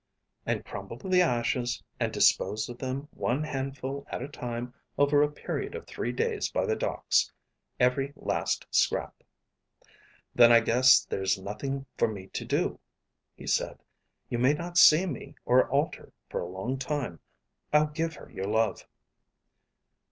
"And crumbled the ashes, and disposed of them one handful at a time over a period of three days by the docks. Every last scrap." "Then I guess there's nothing for me to do," he said. "You may not see me or Alter for a long time. I'll give her your love."